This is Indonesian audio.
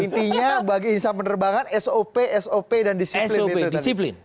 intinya bagi insya allah penerbangan sop sop dan disiplin